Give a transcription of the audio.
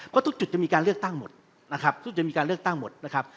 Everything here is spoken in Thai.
เพราะทุกจุดจะมีการเลือกตั้งหมดนะครับ